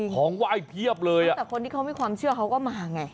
ของว่ายเทียบเลยตั้งแต่คนที่เขาไม่ความเชื่อเขาก็มาไง